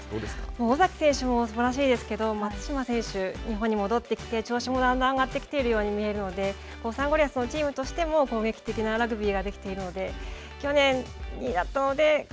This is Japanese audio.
尾崎選手もすばらしいですけど、松島選手、日本に戻ってきて調子も段々上がってきているように見えるのでサンゴリアスのチームとしても攻撃的なラグビーができているので去年は。